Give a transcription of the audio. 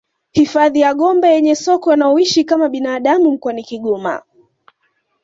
Hifadhi ya Gombe yenye sokwe wanaoishi kama binadamu mkoani Kigoma